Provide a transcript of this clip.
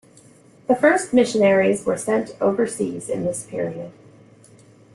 The first missionaries were sent overseas in this period.